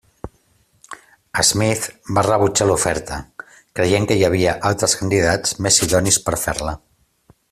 Smith va rebutjar l'oferta, creient que hi havia altres candidats més idonis per fer-la.